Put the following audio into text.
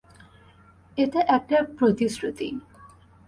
এটা একটা প্রতিশ্রুতি।